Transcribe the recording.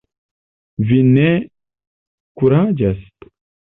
Vi ne kuraĝas?